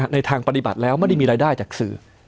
ในทางปฏิบัติแล้วไม่ได้มีรายได้จากสื่อ